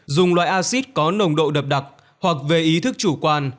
dùng loại acid có nồng độ độc đặc hoặc về ý thức chủ quan